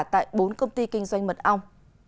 tại bốn công ty kinh doanh mật ong